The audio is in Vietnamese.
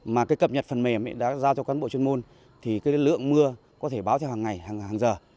mà cái cập nhật phần mềm đã giao cho cán bộ chuyên môn thì cái lượng mưa có thể báo cho hàng ngày hàng giờ